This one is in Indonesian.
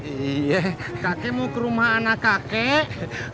iya kakek mau ke rumah anak kakek